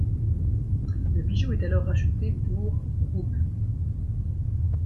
Le bijou est alors acheté pour roubles.